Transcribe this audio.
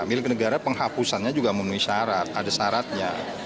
milik negara penghapusannya juga memenuhi syarat ada syaratnya